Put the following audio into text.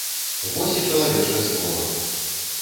Вось і чалавечае слова!